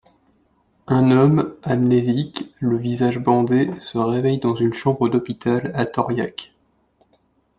Un homme, amnésique, le visage bandé, se réveille dans une chambre d'hôpital à Thoriac.